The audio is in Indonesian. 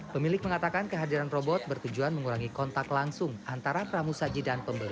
pemilik mengatakan kehadiran robot bertujuan mengurangi kontak langsung antara pramu saji dan pembeli